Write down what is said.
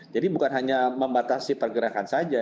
jadi bukan hanya membatasi pergerakan saja